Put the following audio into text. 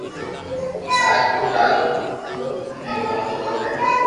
پسي آج پوري رات رو ٿني ڪوم ڪرو ھي